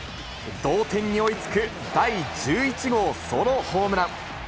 同点に追いつく第１１号ソロホームラン。